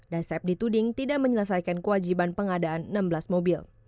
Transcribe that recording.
dasep dituding tidak menyelesaikan kewajiban pengadaan enam belas mobil